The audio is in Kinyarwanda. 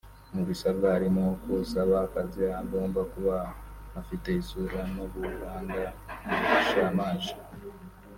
mu bisabwa harimo ko usaba akazi agomba kuba afite isura n’uburanga bishamaje